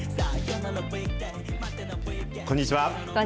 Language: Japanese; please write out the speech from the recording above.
こんにちは。